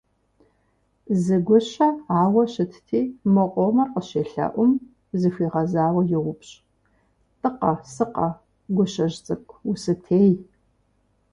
Зы гущэ ауэ щытти мо къомыр къыщелъэӏум, зыхуигъэзауэ йоупщӏ: «Тӏыкъэ сыкъэ, гущэжь цӏыкӏу, усытей?».